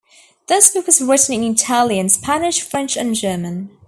This book was written in Italian, Spanish, French and German.